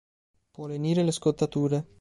Può lenire le scottature.